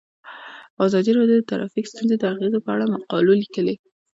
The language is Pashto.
ازادي راډیو د ټرافیکي ستونزې د اغیزو په اړه مقالو لیکلي.